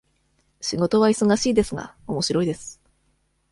仕事は忙しいですが、おもしろいです。